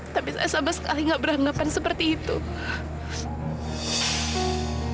tapi saja bers museum